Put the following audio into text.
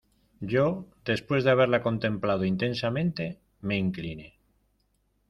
yo, después de haberla contemplado intensamente , me incliné.